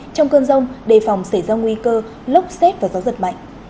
trong cơn rông đề phòng xảy ra nguy cơ lốc xét và gió giật mạnh